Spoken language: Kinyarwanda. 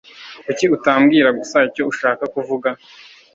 Kuki utambwira gusa icyo ushaka kuvuga?